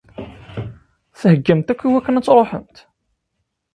Theggamt akk i wakken ad tṛuḥemt?